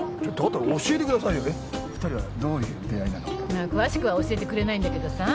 まあ詳しくは教えてくれないんだけどさ。